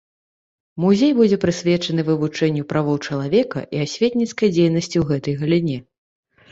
Музей будзе прысвечаны вывучэнню правоў чалавека і асветніцкай дзейнасці ў гэтай галіне.